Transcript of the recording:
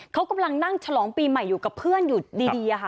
เขากำลังนั่งฉลองปีใหม่อยู่กับเพื่อนอยู่ดีค่ะ